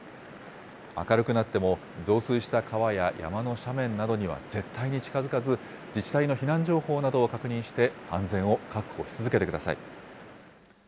明るくなっても増水した川や山の斜面などには絶対に近づかず、自治体の避難情報などを確認して、安全を確保し続けてください。